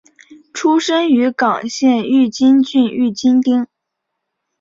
出身于冈山县御津郡御津町。